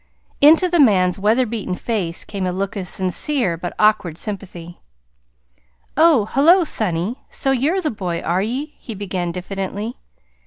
Into the man's weather beaten face came a look of sincere but awkward sympathy. "Oh, hullo, sonny! So you're the boy, are ye?" he began diffidently.